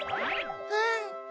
うん！